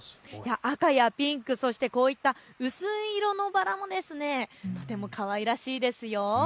赤やピンク、そして薄い色のバラ、とてもかわいらしいですよ。